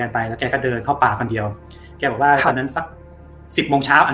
ไปแล้วแกก็เดินเข้าป่าคนเดียวแกบอกว่าตอนนั้นสักสิบโมงเช้าอัน